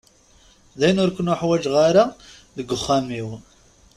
Dayen ur ken-uḥwaǧeɣ ara deg uxxam-iw.